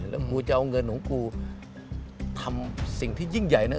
แล้วกูจะเอาเงินของกูทำสิ่งที่ยิ่งใหญ่นะ